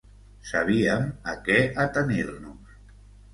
Sabíem a què atenir-nos.